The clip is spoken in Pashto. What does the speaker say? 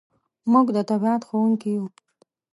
موږ د طبیعت خوښونکي یو.